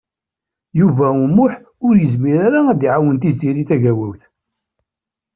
Yuba U Muḥ ur yezmir ara ad iɛawen Tiziri Tagawawt.